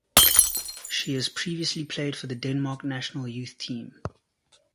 She has previously played for the Denmark national youth team.